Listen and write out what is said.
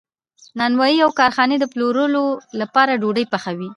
نانوایی او کارخانې د پلورلو لپاره ډوډۍ پخوي.